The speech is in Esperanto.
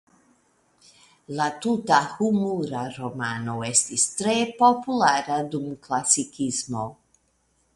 La tuta humura romano estis tre populara dum Klasikismo.